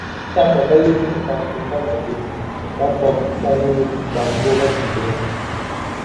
Tâ ɓwǎ ɓa yege ɓàkùmbamàɓěŋ, ɓapɔ̄k ɓa ni ɓàɓogabìɓɛ̌.